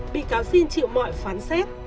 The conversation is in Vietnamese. bị cáo xin chịu mọi phán xét